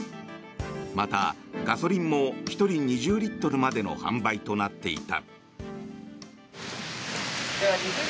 また、ガソリンも１人２０リットルまでの販売となっていた。